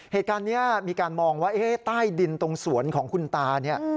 เหตุการณ์นี้มีการมองว่าใต้ดินตรงสวนของคุณตาเนี่ย